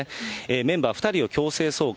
メンバー２人を強制送還。